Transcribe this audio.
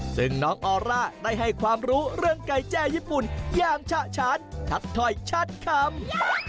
ซึ่งน้องออร่าได้ให้ความรู้เรื่องไก่แจ้ญี่ปุ่นอย่างฉะฉานชัดถ้อยชัดคำ